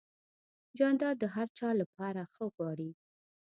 جانداد د هر چا لپاره ښه غواړي.